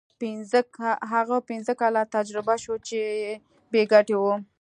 هغه پنځه کاله تجربه شو چې بې ګټې وو.